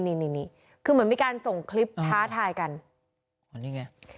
คือเหมือนมีการส่งคลิปท้าทายกันอันนี้ไง